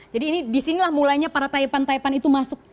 jadi ini disinilah mulainya para taipan taipan itu masuk